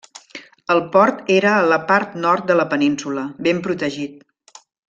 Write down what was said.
El port era a la part nord de la península, ben protegit.